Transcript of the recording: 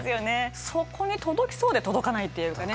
そこに届きそうで届かないっていうかね。